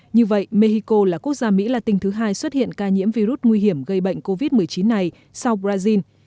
như vậy mexico là quốc gia mỹ latin thứ hai xuất hiện ca nhiễm virus nguy hiểm gây bệnh covid một mươi chín này sau brazil